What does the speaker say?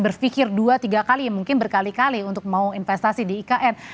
berpikir dua tiga kali mungkin berkali kali untuk mau investasi di ikn